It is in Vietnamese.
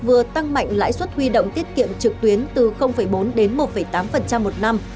vừa tăng mạnh lãi suất huy động tiết kiệm trực tuyến từ bốn đến một tám một năm